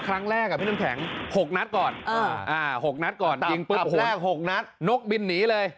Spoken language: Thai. คลั้งแรกพี่น้ำแข็ง๖นัฏก่อน